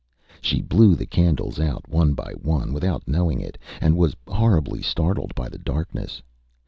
She blew the candles out one by one without knowing it, and was horribly startled by the darkness.